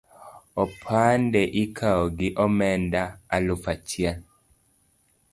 Opande ikawo gi omenda alufu achiel